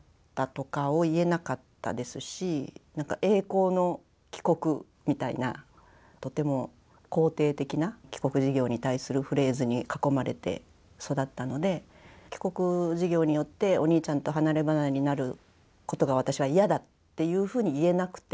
「栄光の帰国」みたいなとても肯定的な帰国事業に対するフレーズに囲まれて育ったので帰国事業によってお兄ちゃんと離れ離れになることが私は嫌だっていうふうに言えなくて。